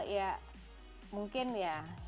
ya mungkin ya